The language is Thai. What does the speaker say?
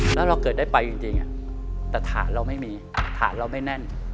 แล้วเราเกิดได้ไปจริงแต่ฐานเราไม่มีฐานเราไม่แน่น